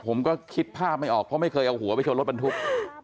ผมก็คิดภาพไม่ออกเพราะไม่เคยเอาหัวไปชนรถบรรทุก